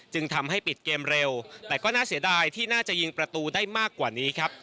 จึงทำให้ปิดเกมเร็วแต่ก็น่าเสียดายที่น่าจะยิงประตูได้มากกว่านี้ครับ